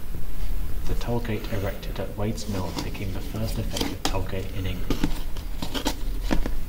The toll-gate erected at Wade's Mill became the first effective toll-gate in England.